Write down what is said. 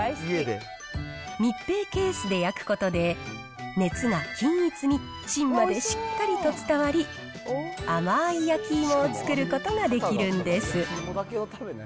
密閉ケースで焼くことで、熱が均一に芯までしっかりと伝わり、甘い焼き芋を作ることができるんです。